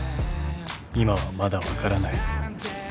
今はまだ分からない］